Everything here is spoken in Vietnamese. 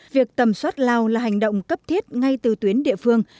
việc tầm soát lao là hành động cấp thiết ngay từ tuyến địa phương